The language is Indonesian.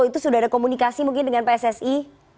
itu sudah ada komunikasi mungkin dengan pssi